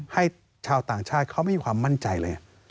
ให้ชาวต่างชาติเขาไม่มีความมั่นใจเลย